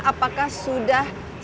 apakah sudah sesuai dengan hal ini